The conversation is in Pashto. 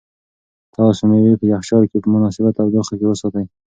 تاسو مېوې په یخچال کې په مناسبه تودوخه کې وساتئ.